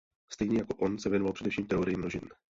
Stejně jako on se věnuje především teorii množin.